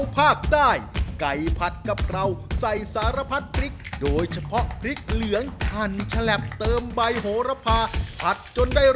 ภาคใต้ของเรานะครับเป็นกะเพราไก่